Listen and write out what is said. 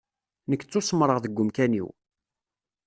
Nekk ttusemreɣ deg umkan-iw.